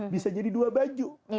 bisa jadi dua baju